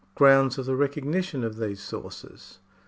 Grounds of the recognition of these sources.